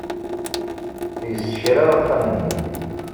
Yessekra axxam-nni.